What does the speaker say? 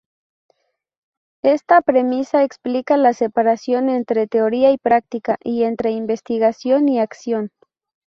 Esta premisa explica la separación entre teoría y práctica, y entre investigación y acción.